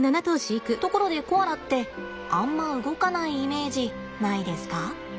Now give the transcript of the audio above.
ところでコアラってあんま動かないイメージないですか？